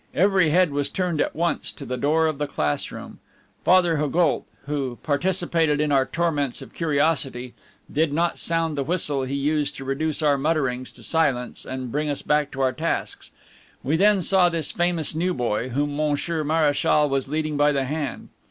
Every head was turned at once to the door of the classroom. Father Haugoult, who participated in our torments of curiosity, did not sound the whistle he used to reduce our mutterings to silence and bring us back to our tasks. We then saw this famous new boy, whom Monsieur Mareschal was leading by the hand.